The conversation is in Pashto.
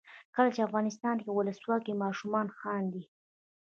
کله چې افغانستان کې ولسواکي وي ماشومان خاندي.